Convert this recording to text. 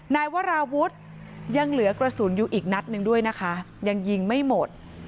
นายวราวุฒิยังเหลือกระสุนอยู่อีกนัดหนึ่งด้วยนะคะยังยิงไม่หมด